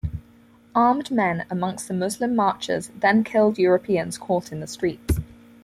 Armed men amongst the Muslim marchers then killed Europeans caught in the streets.